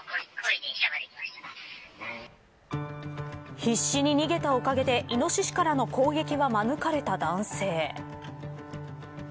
必死に逃げたおかげでイノシシからの攻撃は免れた男性。